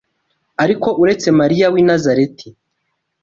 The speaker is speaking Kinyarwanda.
Ariko uretse Mariya w’i Nazareti,